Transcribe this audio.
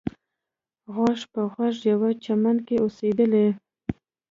غوږ په غوږ یوه چمن کې اوسېدلې.